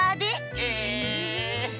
え！